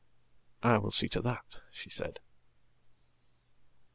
""I will see to that," she said.